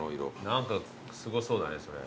何かすごそうだねそれ。